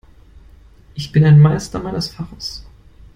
Ich bin ein Meister meines Faches.